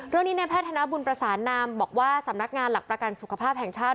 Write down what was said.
ในแพทย์ธนบุญประสานนามบอกว่าสำนักงานหลักประกันสุขภาพแห่งชาติ